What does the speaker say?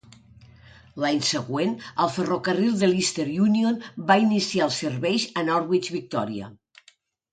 L'any següent, el ferrocarril de l'Eastern Union va iniciar els serveis a Norwich Victoria.